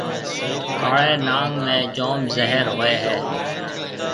ڪاݪيَ ناگ ۾ جوم زهر هوئي هيَ۔